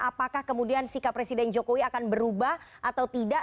apakah kemudian sikap presiden jokowi akan berubah atau tidak